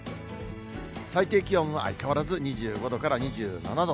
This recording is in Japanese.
最低気温は相変わらず２５度から２７度。